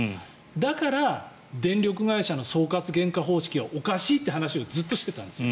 だから電力会社の総括原価方式はおかしいって話をずっとしてたんです。